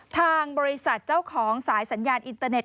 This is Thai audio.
ทางบริษัทเจ้าของสายสัญญาณอินเตอร์เน็